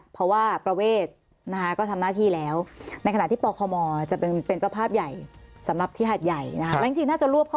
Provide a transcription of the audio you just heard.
เพราะบางคนเลี่ยงจะระบายนะคะ